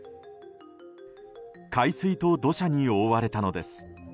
海水と土砂に覆われたのです。